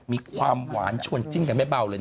มีความหวานชวนจิ้นกันไม่เบาเลยนะ